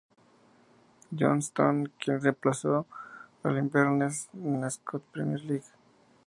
Johnstone, quien reemplazó al Inverness en la Scottish Premier League.